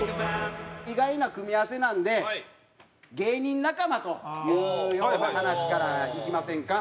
意外な組み合わせなんで芸人仲間というような話からいきませんか？